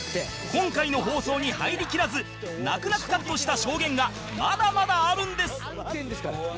今回の放送に入りきらず泣く泣くカットした証言がまだまだあるんです